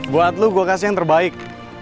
buat lo gue kasih yang terbaik